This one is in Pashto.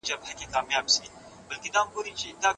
په څېړنه کې د نورو کسانو حق مه خورئ.